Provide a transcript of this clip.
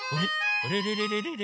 あれれれれれれ？